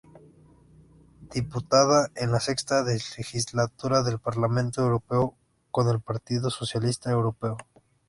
Diputada en la sexta legislatura del Parlamento Europeo con el Partido Socialista Europeo.